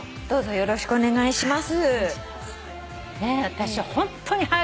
よろしくお願いします。